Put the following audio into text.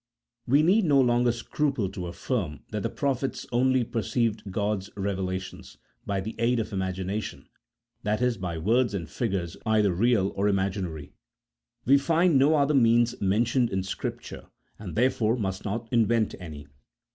We need no longer scruple to affirm that the prophets 1 See Note 3. CHAP. I.] OF PROPHECY. 25 only perceived God's revelation by the aid of imagination, that is, by words and figures either real or imaginary. "We find no other means mentioned in Scripture, and therefore must not invent any.